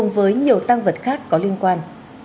với nhiều tăng vật khác có liên quan